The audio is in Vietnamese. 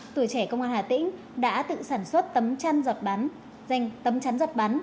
tuổi trẻ công an hà tĩnh đã tự sản xuất tấm chắn giọt bắn